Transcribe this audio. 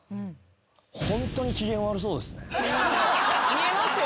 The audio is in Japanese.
見えますよ。